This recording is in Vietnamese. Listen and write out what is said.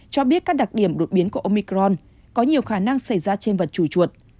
cho biết các đặc điểm đột biến của omicron có nhiều khả năng xảy ra trên vật trùi chuột